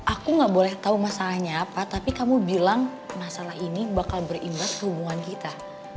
aku gak boleh tahu masalahnya apa tapi kamu bilang masalah ini bakal berimbas ke hubungan kita